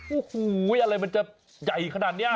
โอ้โหอะไรมันจะใหญ่ขนาดนี้